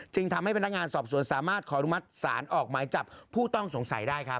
ทำให้พนักงานสอบสวนสามารถขออนุมัติศาลออกหมายจับผู้ต้องสงสัยได้ครับ